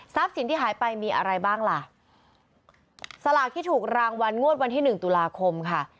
สินที่หายไปมีอะไรบ้างล่ะสลากที่ถูกรางวัลงวดวันที่หนึ่งตุลาคมค่ะ